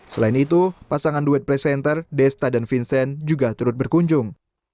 selain itu pasangan duet presenter desta dan vincent juga turut berkunjung